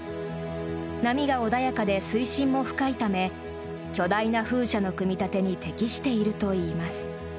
波が穏やかで水深も深いため巨大な風車の組み立てに適しているといいます。